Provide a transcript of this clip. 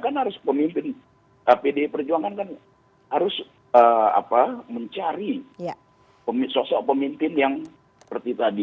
kan harus pemimpin pdi perjuangan kan harus mencari sosok pemimpin yang seperti tadi